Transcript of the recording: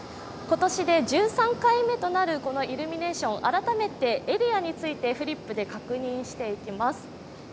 今年で１３回目となるこのイルミネーション、改めてエリアについてフリップで確認していきます。